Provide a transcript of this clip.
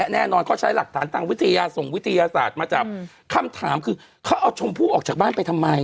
แน่นอนเขาใช้หลักฐานทางวิทยาส่งวิทยาศาสตร์มาจับคำถามคือเขาเอาชมพู่ออกจากบ้านไปทำไม